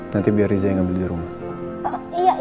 nanti biar riza yang beli di rumah